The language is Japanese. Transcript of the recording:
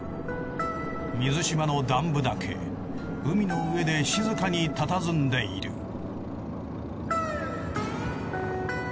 水嶋のダンブだけ海の上で静かにたたずんでいる。